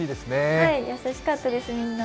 優しかったです、みんな。